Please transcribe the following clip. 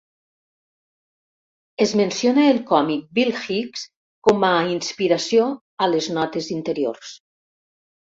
Es menciona el còmic Bill Hicks como a "inspiració" a les notes interiors.